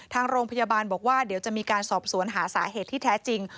ทางโรงพยาบาลบอกว่าเดี๋ยวจะมีการสอบสวนหาสาเหตุที่แท้จริง